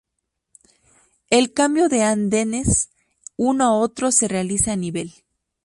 El cambio de andenes uno a otro se realiza a nivel.